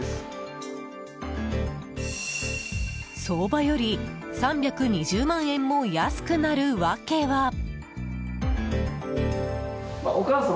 相場より３２０万円も安くなる訳は。